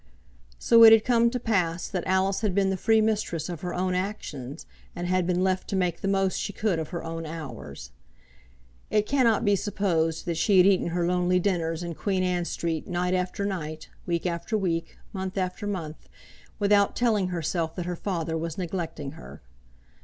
So it had come to pass that Alice had been the free mistress of her own actions, and had been left to make the most she could of her own hours. It cannot be supposed that she had eaten her lonely dinners in Queen Anne Street night after night, week after week, month after month, without telling herself that her father was neglecting her.